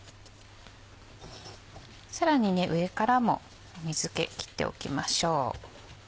さらに上からも水気切っておきましょう。